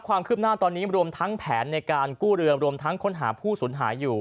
ความคืบหน้าตอนนี้รวมทั้งแผนในการกู้เรือรวมทั้งค้นหาผู้สูญหายอยู่